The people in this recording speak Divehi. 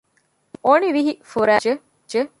އޮނިވިހި ފުރައިގެ ކުއްޖެއް